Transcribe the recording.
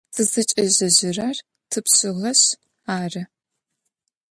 Тызыкӏежьэжьырэр тыпшъыгъэшъ ары.